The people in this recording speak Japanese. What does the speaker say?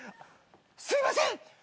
すいません！